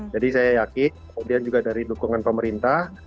jadi saya yakin kemudian juga dari dukungan pemerintah